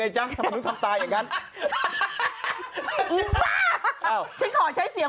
คือเต้นทุกคนเท่ากันหมดเลย